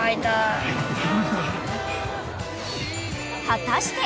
［果たして］